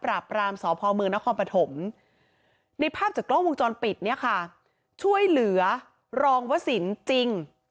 ปราบรามสพมคปฐมในภาพจากกล้องวงจรปิดช่วยเหลือรองวศิลป์จริง